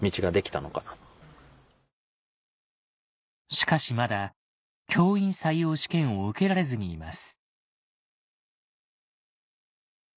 しかしまだ教員採用試験を受けられずにいます